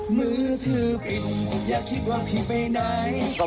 มือถือปิดอย่าคิดว่าพี่ไปไหน